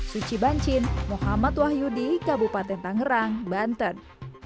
suci bancin muhammad wahyudi kabupaten tangerang banten